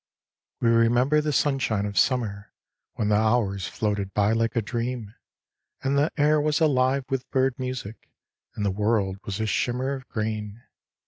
"We remember the sunshine of summer, When the hours floated by like a dream, And the air was alive with bird music And the world was a shimmer of green.